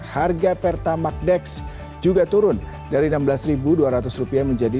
harga pertamak dex juga turun dari rp enam belas dua ratus